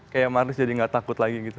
kayak marlies jadi tidak takut lagi